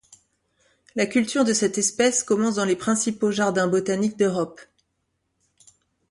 La culture de cette espèce commence dans les principaux jardins botaniques d'Europe.